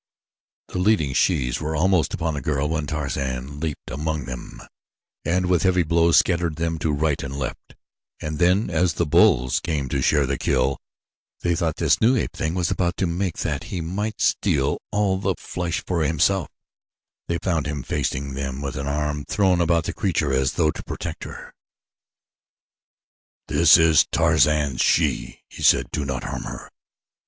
The leading shes were almost upon the girl when Tarzan leaped among them, and with heavy blows scattered them to right and left; and then as the bulls came to share in the kill they thought this new ape thing was about to make that he might steal all the flesh for himself, they found him facing them with an arm thrown about the creature as though to protect her. "This is Tarzan's she," he said. "Do not harm her."